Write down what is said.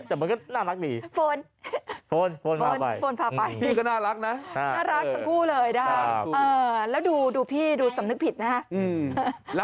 ทั้งคู่เลยนะครับแล้วดูพี่ดูสำนึกผิดนะครับ